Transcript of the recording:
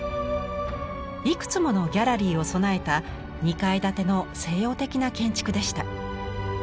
いくつものギャラリーを備えた２階建ての西洋的な建築でした。